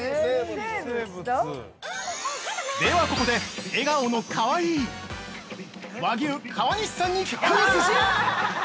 ◆ではここで、笑顔のかわいい和牛・川西さんにクイズ！